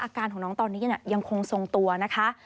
อาการของน้องตอนนี้ยังคงทรงตัวนะคะ